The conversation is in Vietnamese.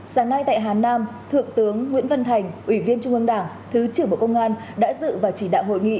sáng nay tại hà nam thượng tướng nguyễn văn thành ủy viên trung ương đảng thứ trưởng bộ công an đã dự và chỉ đạo hội nghị